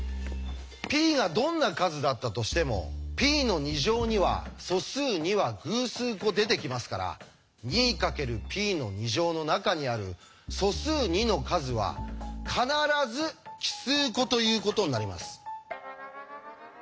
Ｐがどんな数だったとしてもＰの２乗には素数２は偶数個出てきますから２かけるＰの２乗の中にある素数２の数は必ず奇数個ということになります。